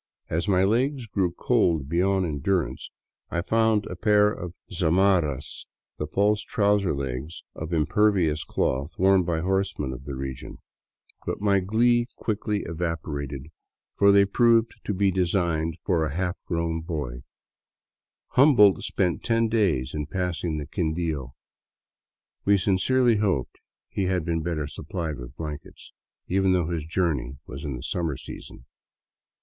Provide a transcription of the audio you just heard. As my legs grew cold beyond endurance, I found a pair of zamarras, the false trouser legs of im pervious cloth worn by horsemen of the region. But my glee quickly 60 FROM BOGOTA OVER THE QUINDIO evaporated, for they proved to be designed for a half grown boy. Humboldt spent ten days in passing the Quindio, we sincerely hoped he had been better suppHed with blankets, even though his journey was in the summer season.